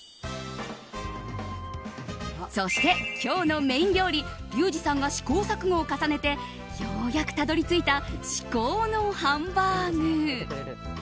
そして、今日のメイン料理リュウジさんが試行錯誤を重ねてようやくたどり着いた至高のハンバーグ。